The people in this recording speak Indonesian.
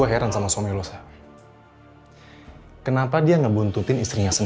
aku aja gak tau kenapa dia bisa ada di sini sayang